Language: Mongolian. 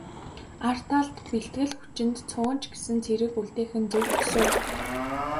Ар талд бэлтгэл хүчинд цөөн ч гэсэн цэрэг үлдээх нь зөв бус уу?